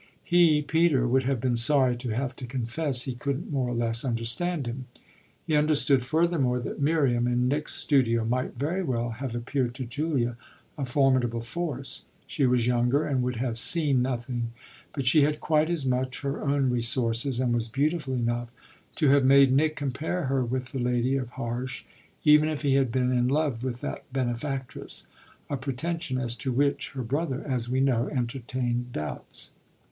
He, Peter, would have been sorry to have to confess he couldn't more or less understand him. He understood furthermore that Miriam, in Nick's studio, might very well have appeared to Julia a formidable force. She was younger and would have "seen nothing," but she had quite as much her own resources and was beautiful enough to have made Nick compare her with the lady of Harsh even if he had been in love with that benefactress a pretension as to which her brother, as we know, entertained doubts.